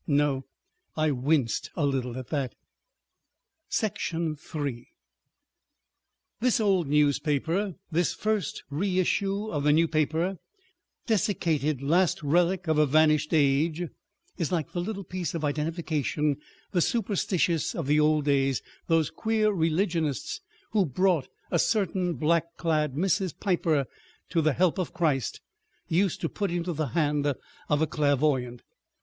No—I winced a little at that. § 3 This old newspaper, this first reissue of the New Paper, desiccated last relic of a vanished age, is like the little piece of identification the superstitious of the old days—those queer religionists who brought a certain black clad Mrs. Piper to the help of Christ—used to put into the hand of a clairvoyant.